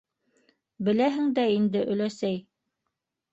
- Беләһең дә инде, өләсәй...